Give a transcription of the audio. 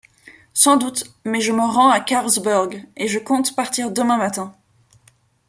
Sans doute, mais je me rends à Karlsburg, et je compte partir demain matin.